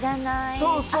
そうそう。